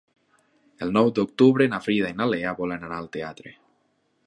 El nou d'octubre na Frida i na Lea volen anar al teatre.